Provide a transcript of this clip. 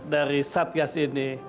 dari satgas ini